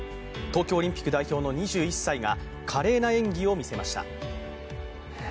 東京オリンピック代表の２１歳が華麗な演技を見せました。